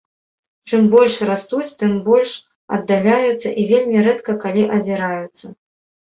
Чым больш растуць, тым больш аддаляюцца і вельмі рэдка калі азіраюцца.